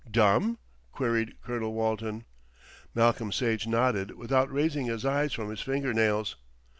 "Dumb?" queried Colonel Walton. Malcolm Sage nodded without raising his eyes from his finger nails.